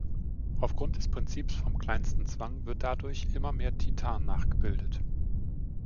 Aufgrund des Prinzips vom kleinsten Zwang wird dadurch immer mehr Titan nachgebildet.